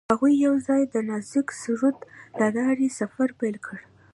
هغوی یوځای د نازک سرود له لارې سفر پیل کړ.